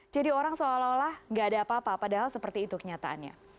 jadi orang seolah olah tidak ada apa apa padahal seperti itu kenyataannya